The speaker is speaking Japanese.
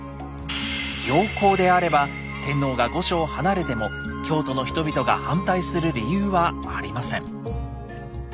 行幸であれば天皇が御所を離れても京都の人々が反対する理由はありません。